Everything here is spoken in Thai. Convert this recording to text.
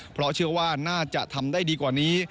เพราะเชื่อว่าน่าจะทำได้ดีกว่านี้